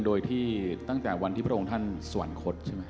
โดยที่ตั้งแต่วันที่พระองค์ท่านสวรรคตใช่ไหม